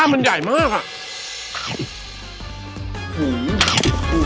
มันใหญ่มากอ่ะ